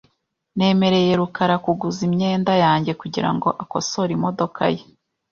Nemereye rukara kuguza imyenda yanjye kugirango akosore imodoka ye .